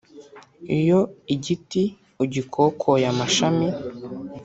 Iyo igiti ugikokoye amashami